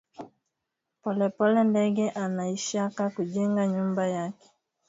Polepole ndege anaishaka ku jenga nyumba yake